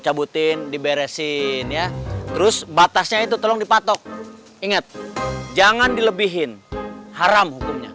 cabutin diberesin ya terus batasnya itu tolong dipatok ingat jangan dilebihin haram hukumnya